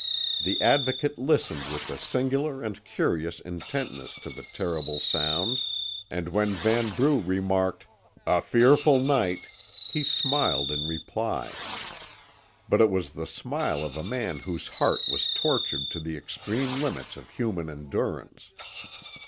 The Advocate listened with a singular and curious intentness to the terrible sounds, and when Vanbrugh remarked, "A fearful night," he smiled in reply. But it was the smile of a man whose heart was tortured to the extreme limits of human endurance.